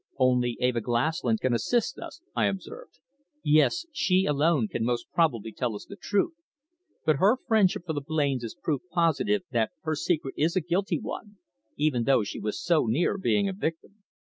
"Only Eva Glaslyn can assist us," I observed. "Yes. She alone can most probably tell us the truth, but her friendship for the Blains is proof positive that her secret is a guilty one, even though she was so near being a victim."